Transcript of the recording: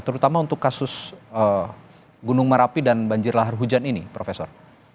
terutama untuk kasus gunung merapi dan banjir lahar hujan ini profesor